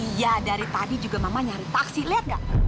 iya dari tadi juga mama nyari taksi liat gak